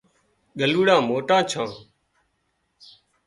ڳلُوڙان موٽان ڇان